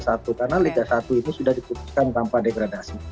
karena liga satu ini sudah diputuskan tanpa degradasi